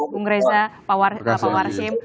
bung reza pak warsim